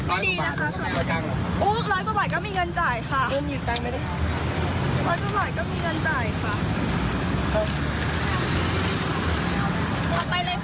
เอาไปลงจากนี้ค่ะ